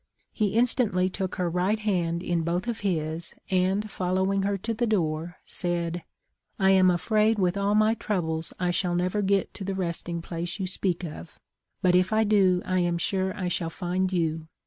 He instantly took her right hand in both of his and, following her to the door, said, ' I am afraid with all my troubles I shall never get to the resting place you speak of; but if I do I am sure I shall find you.